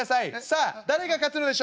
さあ誰が勝つのでしょうか？